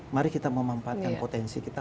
mari kita memanfaatkan potensi kita